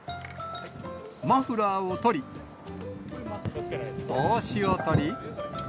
マフラーを取り、帽子を取り。